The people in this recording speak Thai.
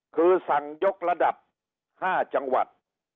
คือสั่งยกระดับ๕จังหวัด